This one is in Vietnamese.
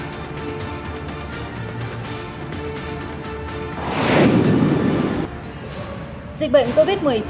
dịch bệnh covid một mươi chín